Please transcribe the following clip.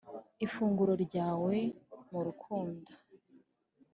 ‘ifunguro ryawe mu rukundo’